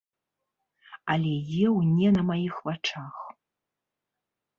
Але еў не на маіх вачах.